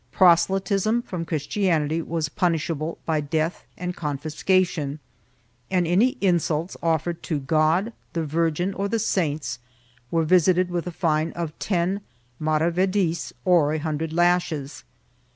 Proselytism from Christianity was punishable by death and confiscation, and any insults offered to God, the Virgin, or the saints, were visited with a fine of ten maravedis or a hun dred lashes.